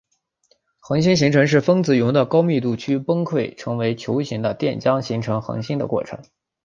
恒星形成是分子云的高密度区崩溃成为球形的电浆形成恒星的过程。